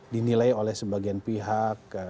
dinilai oleh sebagian pihak